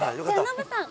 ノブさん。